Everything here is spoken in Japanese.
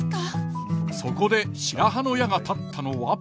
そこで白羽の矢が立ったのは。